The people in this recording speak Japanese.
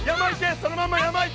そのまま山行け！